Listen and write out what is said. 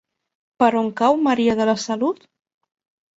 Per on cau Maria de la Salut?